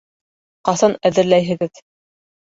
— Ҡасан әҙерләйһегеҙ?